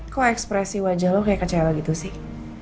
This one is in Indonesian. kok ekspresi wajah lo kayak kecewa gitu sih